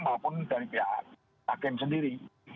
maupun dari pihak hakim sendiri